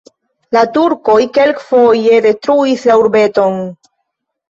La turkoj kelkfoje detruis la urbeton.